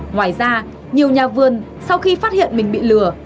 ngoài ra nhiều nhà vườn sau khi phát hiện mình bị lừa